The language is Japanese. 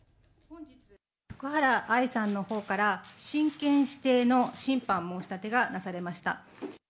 福原愛さんのほうから、親権指定の審判申し立てがなされました。